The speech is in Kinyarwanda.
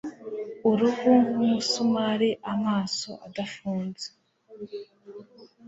Uruhu nk'umusumari amaso adafunze